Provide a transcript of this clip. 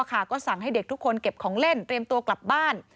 ก็สั่งให้เด็กทุกคนเก็บของเล่นเตรียมตัวกลับบ้าน